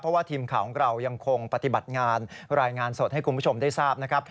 เพราะว่าทีมข่าวของเรายังคงปฏิบัติงานรายงานสดให้คุณผู้ชมได้ทราบนะครับ